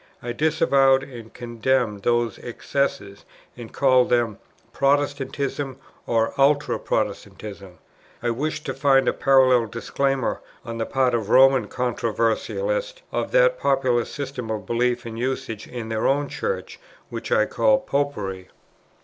I disavowed and condemned those excesses, and called them "Protestantism" or "Ultra Protestantism:" I wished to find a parallel disclaimer, on the part of Roman controversialists, of that popular system of beliefs and usages in their own Church, which I called "Popery."